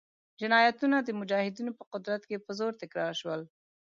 جنایتونه د مجاهدینو په قدرت کې په زور تکرار شول.